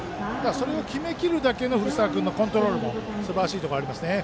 それを決めきるだけの古澤君のコントロールもすばらしいと思います。